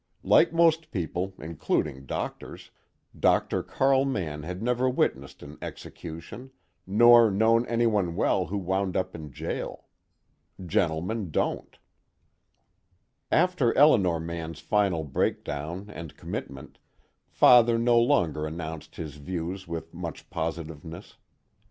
Like most people including doctors, Dr. Carl Mann had never witnessed an execution, nor known anyone well who wound up in jail. Gentlemen don't. After Elinor Mann's final breakdown and commitment, Father no longer announced his views with much positiveness.